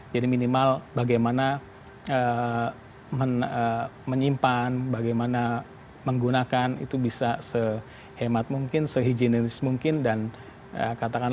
jadi minimal bagaimana menyimpan bagaimana menggunakan itu bisa sehemat mungkin sehingga bisa diberikan